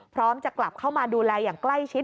พร้อมจะกลับเข้ามาดูแลอย่างใกล้ชิด